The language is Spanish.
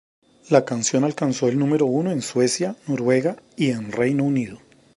La canción alcanzó el número uno en Suecia, Noruega y en Reino Unido.